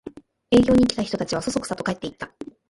営業に来た人たちはそそくさと帰っていった